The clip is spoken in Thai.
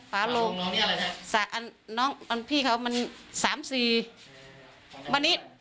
ฝาลงนี้อะไรครับน้องพี่เขามัน๓๔